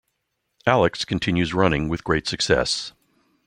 "Alix" continues running with great success.